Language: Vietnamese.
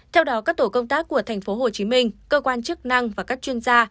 theo đó các tổ công tác của tp hcm cơ quan chức năng và các chuyên gia